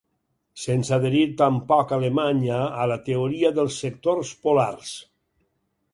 Sense adherir tampoc Alemanya a la Teoria dels Sectors Polars.